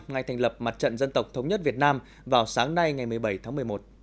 ngày thành lập mặt trận dân tộc thống nhất việt nam vào sáng nay ngày một mươi bảy tháng một mươi một